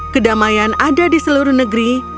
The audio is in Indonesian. kedamaian ada di seluruh negeri